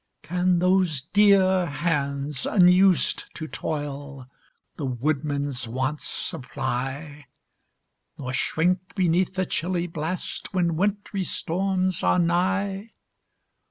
Can those dear hands, unused to toil, The woodman's wants supply, Nor shrink beneath the chilly blast When wintry storms are nigh?